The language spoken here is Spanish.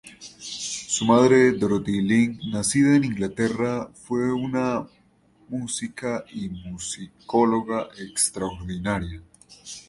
Su madre, Dorothy Ling, nacida en Inglaterra, fue una música y musicóloga extraordinaria.